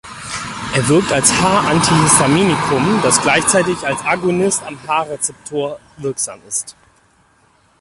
Er wirkt als H-Antihistaminikum, das gleichzeitig als Agonist am H-Rezeptor wirksam ist.